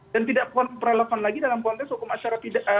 dan tidak relevan lagi dalam konteks hukum acara pidana